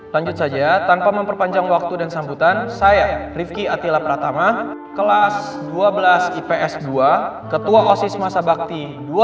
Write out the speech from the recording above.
lanjut saja tanpa memperpanjang waktu dan sambutan saya rifki atila pratama kelas dua belas ips dua ketua osis masa bakti dua ribu dua puluh